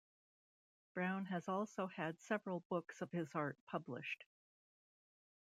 Brown has also had several books of his art published.